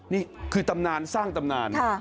นี่คือตำนานสร้างตำนาน